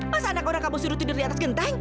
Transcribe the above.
masa anak orang kamu suruh tidur di atas genteng